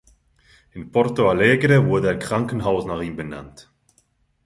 In Porto Alegre wurde ein Krankenhaus nach ihm benannt.